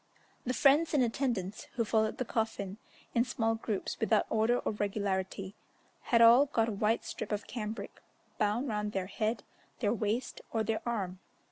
The friends and attendants, who followed the coffin in small groups without order or regularity, had all got a white strip of cambric bound round their head, their waist, or their arm.